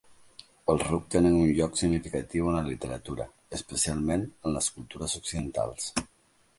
Els rucs tenen un lloc significatiu en la literatura, especialment en les cultures occidentals.